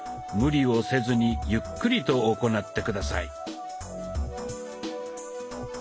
無理をせずにゆっくりと行って下さい。